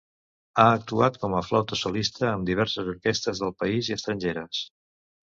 Ha actuat com a flauta solista amb diverses orquestres del país i estrangeres.